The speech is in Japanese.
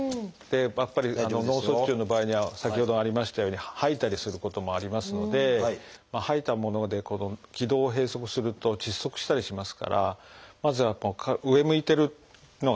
やっぱり脳卒中の場合には先ほどありましたように吐いたりすることもありますので吐いたもので気道を閉塞すると窒息したりしますからまず上向いてるのがあんまりよろしくないんですね。